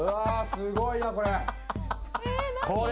すごいな、これ。